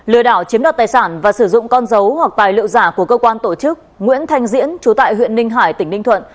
lừa đảo chiếm đoạt tài sản và sử dụng con dấu hoặc tài liệu giả của cơ quan tổ chức nguyễn thanh diễn chú tại huyện ninh hải tỉnh ninh thuận